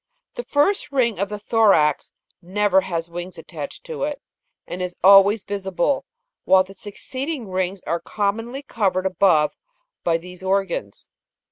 The first ring of the thorax (d) never has wings attached to it, and is always visible, while the succeeding rings are commonly covered above by these organs.